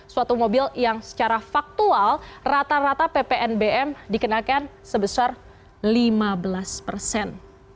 suatu mobil yang secara faktual rata rata ppnbm dikenakan sebesar lima belas persen